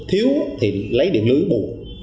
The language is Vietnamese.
thiếu thì lấy điện lưới bù